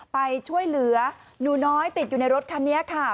ไปช่วยเหลือหนูน้อยติดอยู่ในรถคันนี้ค่ะ